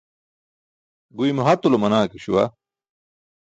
Guymo hatulo manaa ke śuwa.